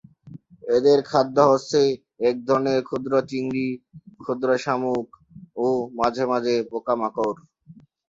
এদের খাদ্য হচ্ছে এক ধরনের ক্ষুদ্র চিংড়ি, ক্ষুদ্র শামুক ও মাঝে মাঝে পোকামাকড়।